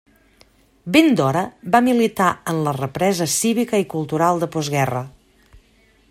Ben d'hora, va militar en la represa cívica i cultural de postguerra.